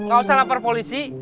gak usah lapor polisi